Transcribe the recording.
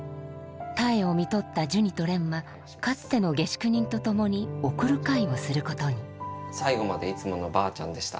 たえをみとったジュニと蓮はかつての下宿人と共に送る会をすることに最後までいつものばあちゃんでした。